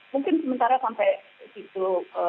mungkin sementara sampai situ